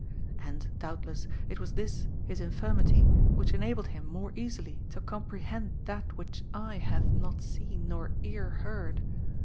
And, doubtless, it was this his infirmity which enabled him more easily to comprehend that which eye hath not seen nor ear heard.